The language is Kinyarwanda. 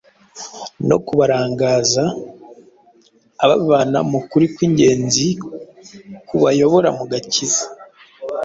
no kubarangaza abavana mu kuri kw’ingenzi kubayobora ku gakiza.